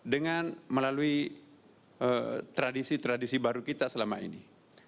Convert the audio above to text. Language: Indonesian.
dengan melalui tradisi tradisi baru kita selama ini